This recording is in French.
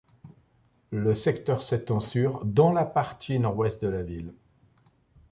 Le secteur s'étend sur dans la partie nord-ouest de la ville.